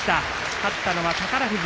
勝ったのは宝富士。